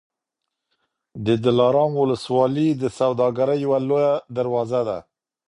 د دلارام ولسوالي د سوداګرۍ یوه لویه دروازه ده.